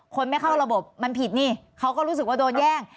ไม่เข้าระบบมันผิดนี่เขาก็รู้สึกว่าโดนแย่ง